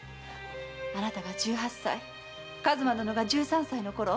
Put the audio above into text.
あなたが十八歳数馬殿が十三歳のころ